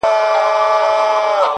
• دعوه د سړیتوب دي لا مشروطه بولم ځکه..